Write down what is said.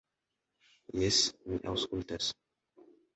"Jes, mi aŭskultas."